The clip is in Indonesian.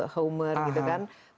homer gitu kan